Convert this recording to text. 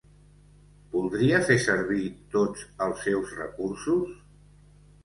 Voldria fer servir tots els seus recursos?